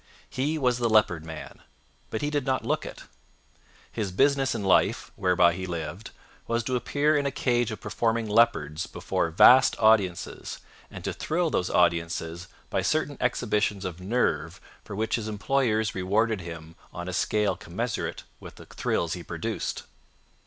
He was the Leopard Man, but he did not look it. His business in life, whereby he lived, was to appear in a cage of performing leopards before vast audiences, and to thrill those audiences by certain exhibitions of nerve for which his employers rewarded him on a scale commensurate with the thrills he produced.